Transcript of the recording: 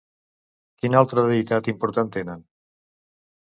Quina altra deïtat important tenen?